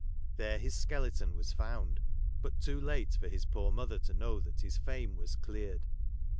There his skeleton was found ; but too late for his poor mother to know that his fame was cleared.